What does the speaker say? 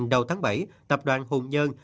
đầu tháng bảy tập đoàn hùng dân